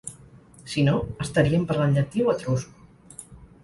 Si no, estaríem parlant llatí o etrusc.